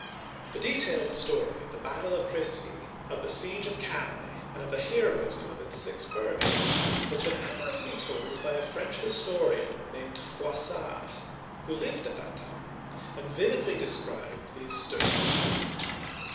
The detailed story of the battle of Crecy, of the siege of Calais, and of the heroism of its six burghers, has been ad mirably told by a French historian named Froissart, who uigiTizea Dy vjiOOQlC PHILIP VI. (1328 1350) 153 lived at that time, and vividly described these stirring scenes.